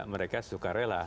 mereka suka rela